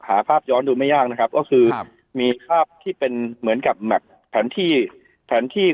หาภาพย้อนดูไม่ยากนะครับก็คือมีภาพที่เป็นเหมือนกับแมพแผนที่แผนที่